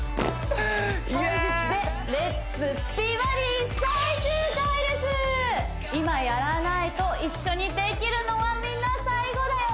本日で今やらないと一緒にできるのはみんな最後だよ！